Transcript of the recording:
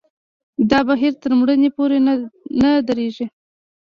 دا بهیر تر مړینې پورې نه درېږي.